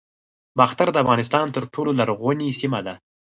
باختر د افغانستان تر ټولو لرغونې سیمه ده